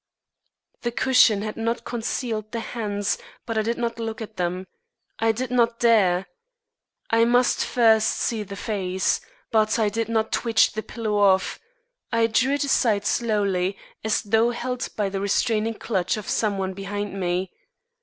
The cushion had not concealed the hands, but I did not look at them I did not dare. I must first see the face. But I did not twitch this pillow off; I drew it aside slowly, as though held by the restraining clutch of some one behind me.